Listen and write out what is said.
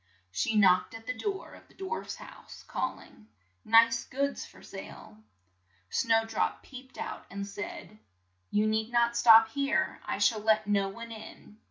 She knocked at the door of the dwarfs' house, call ing, "Nice goods for sale!" Snow drop peeped out and said, "You need not stop here, I shall let no one in."